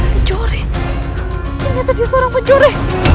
kecoret ternyata dia seorang pencuri